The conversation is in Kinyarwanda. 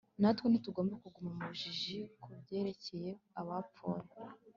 natwe ntitugomba kuguma mu bujiji kubyerekeye abapfuye